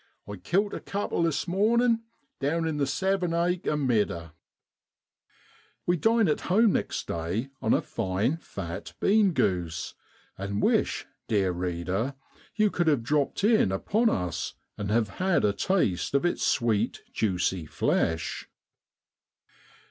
I kilt a couple this mornin' down in the seven acre midder (meadow).' We dine at home next day on a fine fat bean goose, and wish, dear reader, you could have dropped in upon us and have had a taste of its sweet juicy flesh.